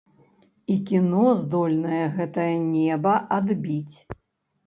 І кіно здольнае гэтае неба адбіць.